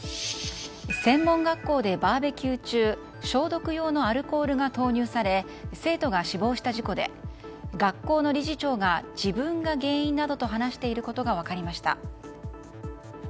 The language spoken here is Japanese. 専門学校でバーベキュー中消毒用のアルコールが投入され生徒が死亡した事故で学校の理事長が自分が原因などと話していることが分かりました。